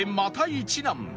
一難